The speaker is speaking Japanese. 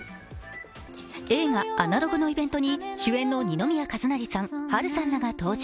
映画「アナログ」のイベントに主演の二宮和也さん、波瑠さんが登場。